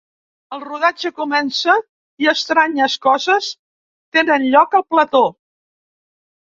El rodatge comença, i estranyes coses tenen lloc al plató.